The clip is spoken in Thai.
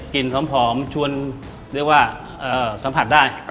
กลิ่นพร้อมชวนเรียกว่าสัมผัสได้